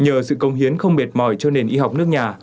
nhờ sự công hiến không mệt mỏi cho nền y học nước nhà